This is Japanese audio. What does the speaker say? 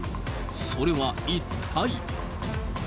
それは一体。